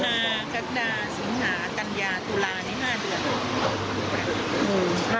ภาคมินาสีหาจันยาตุลานี่๕เดือน